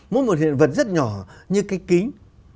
mỗi một hiện vật rất nhỏ như cái kính